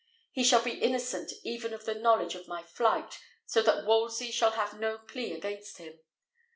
He shall be innocent even of the knowledge of my flight, so that Wolsey shall have no plea against him.